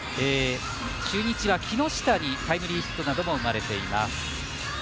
中日は木下にタイムリーヒットなども生まれています。